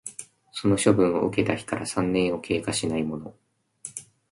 その処分を受けた日から三年を経過しないもの